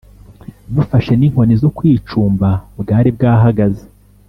bufashe n’inkoni zo kwicumba; bwari bwahagaze,